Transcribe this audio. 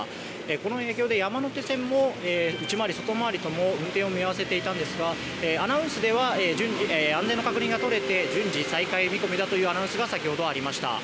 この影響で、山手線も内回り、外回りとも運転を見合わせていたんですがアナウンスでは安全の確認が取れて順次、再開見込みだというアナウンスが先ほど、ありました。